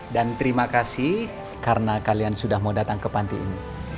dan terima kasih karena kalian sudah mau datang ke panti ini